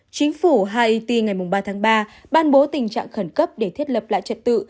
chính phủ haity ngày ba tháng ba ban bố tình trạng khẩn cấp để thiết lập lại trật tự